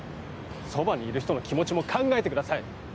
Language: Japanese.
そばにいる人の気持ちを考えてください。